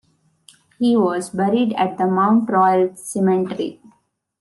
He was buried at the Mount Royal Cemetery.